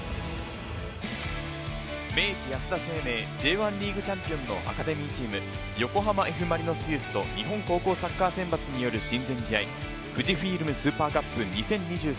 明治安田生命Ｊ１リーグのアカデミーチーム、横浜Ｆ・マリノスユースと日本高校サッカー選抜による親善試合、ＦＵＪＩＦＩＬＭＳＵＰＥＲＣＵＰ２０２３